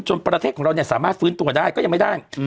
จนประเทศของเราเนี้ยสามารถฟื้นตัวได้ก็ยังไม่ได้อืม